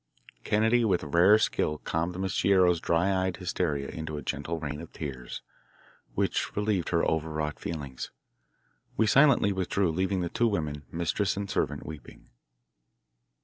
Kennedy with rare skill calmed Miss Guerrero's dry eyed hysteria into a gentle rain of tears, which relieved her overwrought feelings. We silently withdrew, leaving the two women, mistress and servant, weeping.